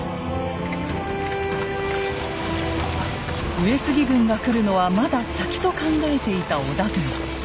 上杉軍が来るのはまだ先と考えていた織田軍。